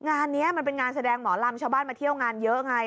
งานนี้มันเป็นงานแสดงหมอลำชาวบ้านมาเที่ยวงานเยอะไง